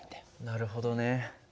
なるほどね。